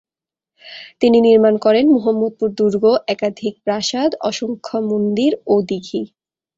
তিনি নির্মাণ করেন মুহম্মদপুর দুর্গ, একাধিক প্রাসাদ, অসংখ্যা মন্দির ও দীঘি।